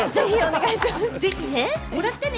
ぜひもらってね。